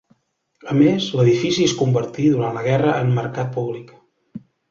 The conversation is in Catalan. A més, l'edifici es convertí durant la guerra en mercat públic.